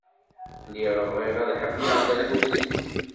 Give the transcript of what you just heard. Lliɣ bɣiɣ ad ḥemmleɣ Dda Lḥusin.